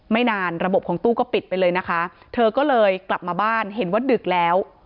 ไม่นานระบบของตู้ก็ปิดไปเลยนะคะเธอก็เลยกลับมาบ้านเห็นว่าดึกแล้ว